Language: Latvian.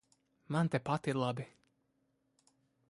Man tepat ir labi.